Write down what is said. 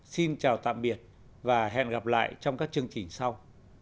xin chào tạm biệt và hẹn gặp lại trong các chương trình sau